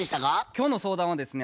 今日の相談はですね